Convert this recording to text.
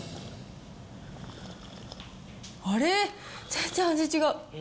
あれ、全然味違う。